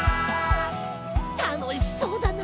たのしそうだな。